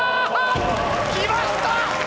きました！